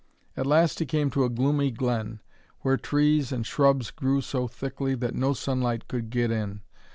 At last he came to a gloomy glen where trees and shrubs grew so thickly that no sunlight could get in.